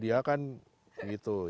dia kan gitu